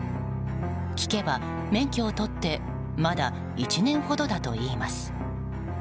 聞けば、免許を取ってまだ１年ほどだといいます。